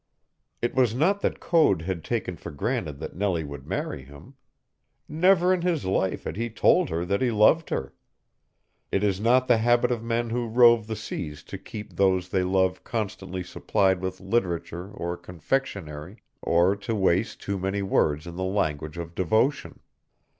It was not that Code had taken for granted that Nellie would marry him. Never in his life had he told her that he loved her. It is not the habit of men who rove the seas to keep those they love constantly supplied with literature or confectionery, or to waste too many words in the language of devotion.